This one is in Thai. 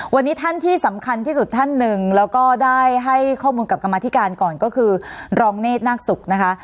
วันนี้ท่านที่สำคัญที่สุดท่านหนึ่งแล้วก็ได้ให้ข้อมูลกับกรรมธิการก่อนก็คือรองเนธนาคศุกร์นะคะ